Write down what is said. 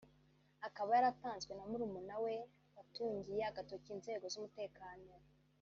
akaba yaratanzwe na murumuna we watungiye agatoki inzego z’umutekano